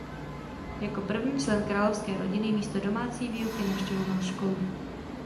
Jako první člen královské rodiny místo domácí výuky navštěvoval školu.